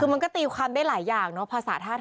คือมันก็ตีความได้หลายอย่างเนอะภาษาท่า